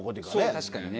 確かにね。